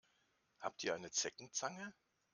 Habt ihr eine Zeckenzange?